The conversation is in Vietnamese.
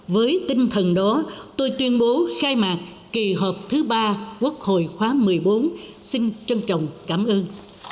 với tinh thần đó tôi tuyên bố khai mạc kỳ họp thứ ba quốc hội khóa một mươi bốn xin trân trọng cảm ơn